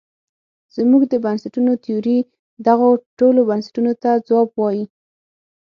زموږ د بنسټونو تیوري دغو ټولو پوښتونو ته ځواب وايي.